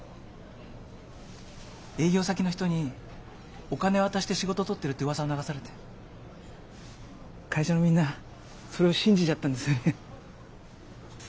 営業先の人にお金渡して仕事とってるってうわさを流されて会社のみんなそれを信じちゃったんですよね。